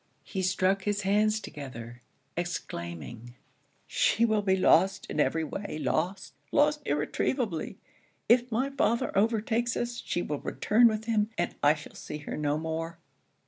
He struck his hands together, exclaiming, 'She will be every way lost! lost irretrievably! If my father overtakes us, she will return with him, and I shall see her no more!'